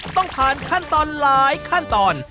ต้องผ่านขั้นตอนหลายขั้นตอน